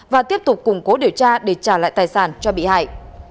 và tiếp tục củng cố điều tra để trả lại tài sản cho bị hại